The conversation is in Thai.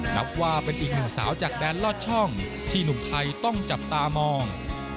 นับว่าเป็นอีกหนึ่งสาวจากแดนลอดช่องที่หนุ่มไทยต้องจับตามอง